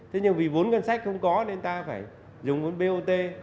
thế nhưng vì vốn ngân sách không có nên ta phải dùng vốn bot